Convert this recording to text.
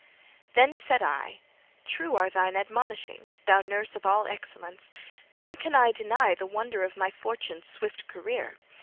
Then said I: 'True are thine admonishings, thou nurse of all excellence; nor can I deny the wonder of my fortune's swift career.